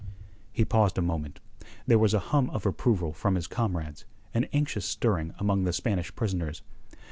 He paused a moment. There was a hum of approval from his comrades, an anxious stirring among the Spanish prisoners.